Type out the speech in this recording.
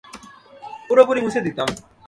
পুরোপুরি মুছে দিতাম।